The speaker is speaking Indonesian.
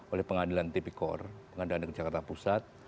oleh pengadilan tpkor pengadilan dekat jakarta pusat